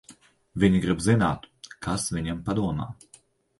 Viņi grib zināt, kas viņam padomā.